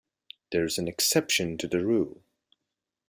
There is an exception to the rule.